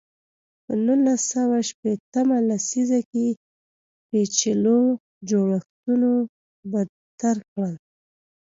په نولس سوه شپېته مه لسیزه کې پېچلو جوړښتونو بدتر کړل.